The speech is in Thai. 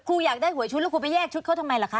อยากได้หวยชุดแล้วครูไปแยกชุดเขาทำไมล่ะคะ